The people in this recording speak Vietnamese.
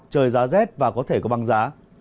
trời rá rét và có thể có băng rá